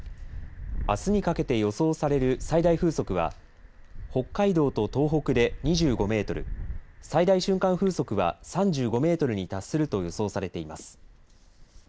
あすにかけて予想される最大風速は北海道と東北で２５メートル、最大瞬間風速は３５メートルに達すると予想されています。